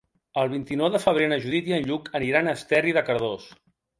El vint-i-nou de febrer na Judit i en Lluc aniran a Esterri de Cardós.